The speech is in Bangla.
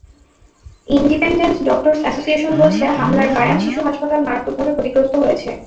ইনডিপেনডেন্ট ডক্টরস অ্যাসোসিয়েশন বলছে, হামলায় বায়ান শিশু হাসপাতাল মারাত্মকভাবে ক্ষতিগ্রস্ত হয়েছে।